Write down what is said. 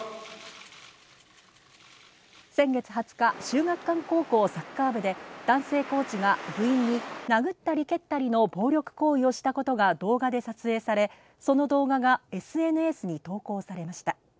先月２０日、秀岳館高校サッカー部で男性コーチが部員に殴ったり蹴ったりの暴力行為をしたことが動画で撮影され、その動画がＳＮＳに投稿されました。